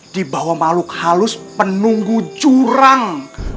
di bawah maluk halus penunggu jurang